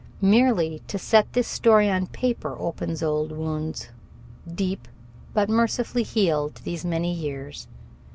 Merely to set this story on paper opens old wounds, deep, but mercifully healed these many years.